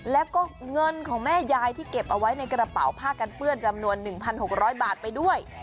แล้วก็เงินของแม่ยายที่เก็บเอาไว้ในกระเป๋าผ้ากันเปื้อนจำนวน๑๖๐๐บาทไปด้วย